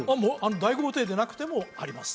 大豪邸でなくてもあります